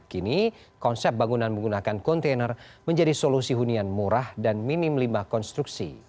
kini konsep bangunan menggunakan kontainer menjadi solusi hunian murah dan minim limbah konstruksi